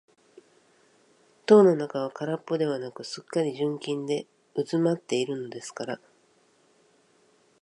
塔の中はからっぽではなく、すっかり純金でうずまっているのですから、ぜんたいの目方は八十キロをこえ、材料の金だけでも時価五百万円ほど